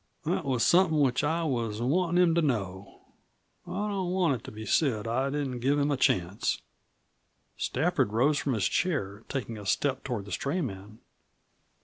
That was somethin' which I was wantin' him to know. I don't want it to be said that I didn't give him a chance." Stafford rose from his chair, taking a step toward the stray man.